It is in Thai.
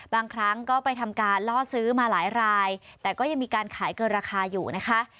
บางครั้งก็ไปทำการล่อซื้อมาหลายรายแต่ก็ยังมีการขายเกินราคาอยู่นะคะ